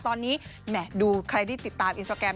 ตอนนี้แหม่ดูใครที่ติดตามอินสตราแกรม